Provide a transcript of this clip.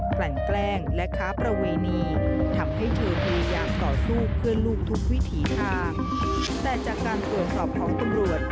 แต่จากการตรวจสอบของตรวจ